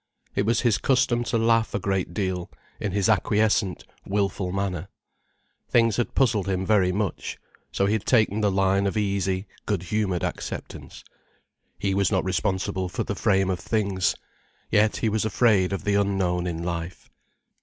It was his custom to laugh a great deal, in his acquiescent, wilful manner. Things had puzzled him very much, so he had taken the line of easy, good humoured acceptance. He was not responsible for the frame of things. Yet he was afraid of the unknown in life.